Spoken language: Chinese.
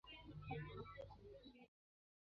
该地在行政区划上属于北荷兰省。